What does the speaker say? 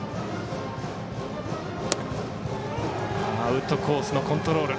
アウトコースのコントロール。